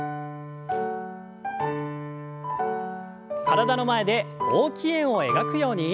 体の前で大きい円を描くように。